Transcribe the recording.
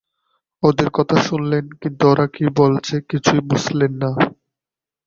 ওদের কথা শুনলেন, কিন্তু ওরা কি বলছে কিছুই বুঝলেন না।